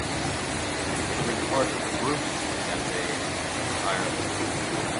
It was part of the Bruce campaign in Ireland.